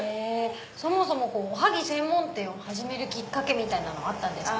そもそもおはぎ専門店を始めるきっかけあったんですか？